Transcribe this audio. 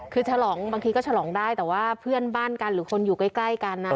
คือฉลองบางทีก็ฉลองได้แต่ว่าเพื่อนบ้านกันหรือคนอยู่ใกล้กัน